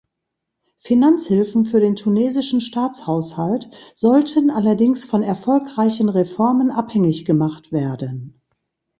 Finanzhilfen für den tunesischen Staatshaushalt sollten allerdings von erfolgreichen Reformen abhängig gemacht werden.